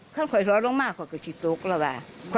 มันลงมากก็คกะกระดาษ